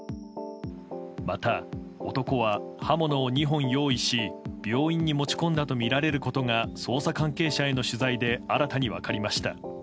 また男は刃物を２本用意し病院に持ち込んだとみられることが捜査関係者への取材で新たに分かりました。